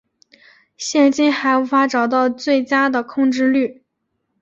现今还无法找到最佳的控制律。